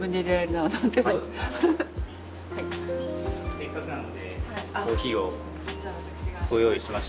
せっかくなのでコーヒーをご用意しましたんで。